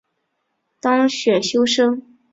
当选修生